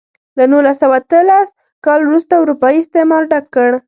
له نولس سوه اتلس کال وروسته اروپايي استعمار ډک کړ.